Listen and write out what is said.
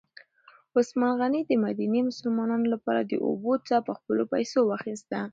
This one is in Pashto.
عثمان غني د مدینې د مسلمانانو لپاره د اوبو څاه په خپلو پیسو واخیسته.